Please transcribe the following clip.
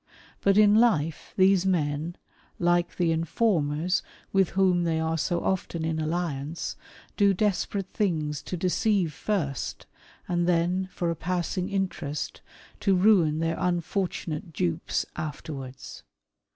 But in life these men, like the informers with whom they are so often in alliance, do desperate things to deceive first, and then, for a passing interest, to ruin their unfortunate dupes afterwards.